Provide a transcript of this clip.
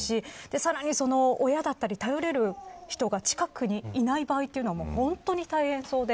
さらに親だったり頼れる人が近くにいない場合というのは本当に大変そうで。